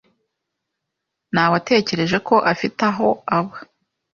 Nawetekereje ko afite aho aba.